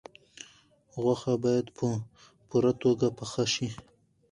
غوښه باید په پوره توګه پاخه شي.